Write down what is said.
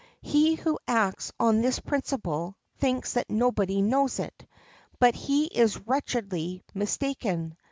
He who acts on this principle thinks that nobody knows it; but he is wretchedly mistaken.